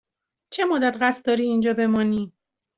چه مدت قصد داری اینجا بمانی؟